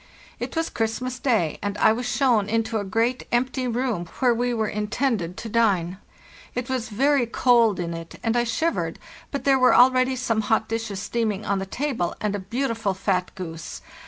It was Christmas day, and I was shown into a great empty room, where we were intended to dine. It was very cold in it, and I shivered, but there were already some hot dishes steaming on the table, and a beautiful fat goose.